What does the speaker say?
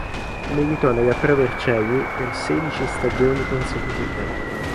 Militò nella Pro Vercelli per sedici stagioni consecutive.